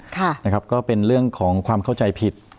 ค่ะนะครับก็เป็นเรื่องของความเข้าใจผิด